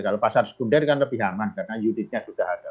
kalau pasar sekunder kan lebih aman karena unitnya sudah ada